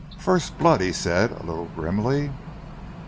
"First blood!" he said, a little grimly.